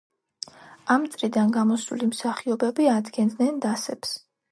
ამ წრიდან გამოსული მსახიობები ადგენდნენ დასებს.